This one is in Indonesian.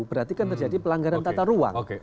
berarti kan terjadi pelanggaran tata ruang